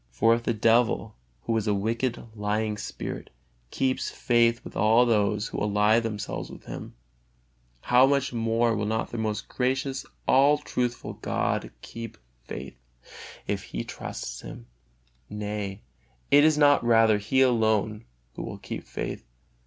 For if the devil, who is a wicked, lying spirit, keeps faith with all those who ally themselves with him, how much more will not the most gracious, all truthful God keep faith, if a man trusts Him? Nay, is it not rather He alone Who will keep faith?